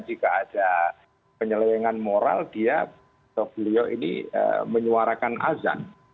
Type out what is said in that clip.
jika ada penyelewengan moral dia atau beliau ini menyuarakan azan